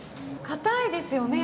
硬いですよね